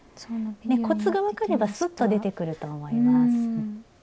コツが分かればすっと出てくると思います。